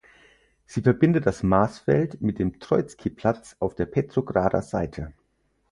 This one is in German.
Sie verbindet das Marsfeld mit dem Troizki-Platz auf der Petrograder Seite.